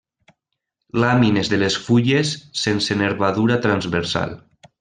Làmines de les fulles sense nervadura transversal.